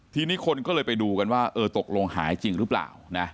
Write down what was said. ทีนี้คนก็เลยไปดูกันว่าเออตกลงหายจริงหรือเปล่านะ